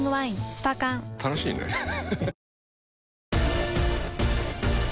スパ缶楽しいねハハハ